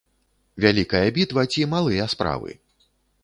Вялікая бітва ці малыя справы?